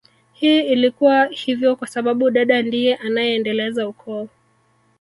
Hii ilikuwa hivyo kwa sababu dada ndiye anayeendeleza ukoo